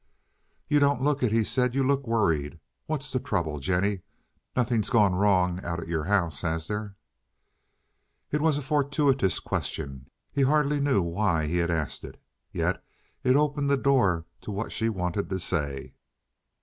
"You don't look it!" he said. "You look worried. What's the trouble, Jennie? Nothing gone wrong out at your house, has there?" It was a fortuitous question. He hardly knew why he had asked it. Yet it opened the door to what she wanted to say.